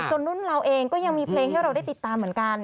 นุ่นเราเองก็ยังมีเพลงให้เราได้ติดตามเหมือนกัน